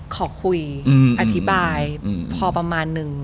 ขอคุยอธิบายพอประมาณนึง